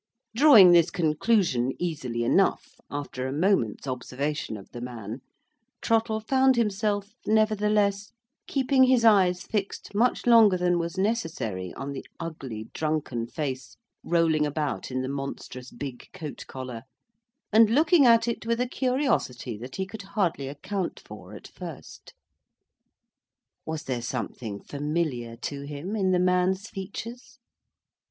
Drawing this conclusion easily enough, after a moment's observation of the man, Trottle found himself, nevertheless, keeping his eyes fixed much longer than was necessary on the ugly drunken face rolling about in the monstrous big coat collar, and looking at it with a curiosity that he could hardly account for at first. Was there something familiar to him in the man's features?